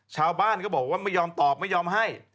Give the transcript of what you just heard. ชาวบ้านก็บอกว่าไม่ยอมตอบไม่ยอมให้